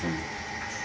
setiap tahun ya gitu